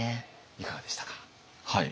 いかがでしたか？